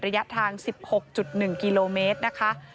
ระยะทาง๑๖๑กิโลเมตรนะคะ